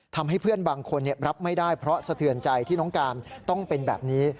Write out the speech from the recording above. ทำให้เพื่อนบางคนรับไม่ได้เพราะสะเทือนใจที่น้องการต้องเป็นแบบนี้